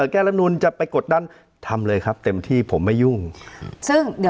แก้เรื้อนุลจะไปกดด้านทำเลยครับเต็มที่ผมไม่ยุ่ง